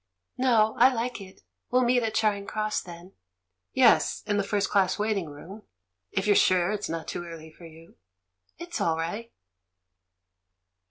"No, I like it. We'll meet at Charing Cross, then?" "Yes; in the first class waiting room — if you're sure it's not too early for you?" "It's all right.